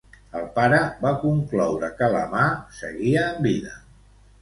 El pare va concloure que la mà seguia amb vida?